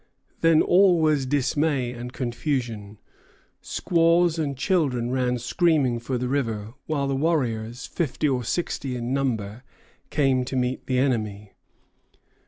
Then all was dismay and confusion. Squaws and children ran screaming for the river, while the warriors, fifty or sixty in number, came to meet the enemy.